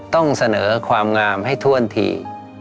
ต้องเสนอความงามให้ถ้วนที